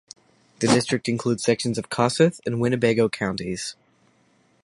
The district includes sections of Kossuth and Winnebago counties.